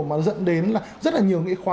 mà dẫn đến là rất là nhiều những cái khóa